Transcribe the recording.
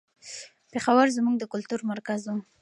پېښور زموږ د کلتور مرکز و.